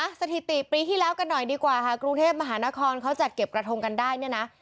สถิติปีที่แล้วกันหน่อยดีกว่าค่ะกรุงเทพมหานครเขาจัดเก็บกระทงกันได้เนี่ยนะ